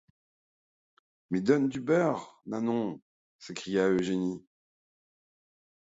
Mais donne du beurre, Nanon, s’écria Eugénie.